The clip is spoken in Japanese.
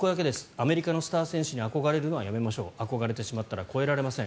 アメリカのスター選手に憧れるのはやめましょう憧れてしまったら超えられません。